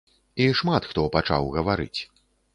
І шмат хто пачаў гаварыць.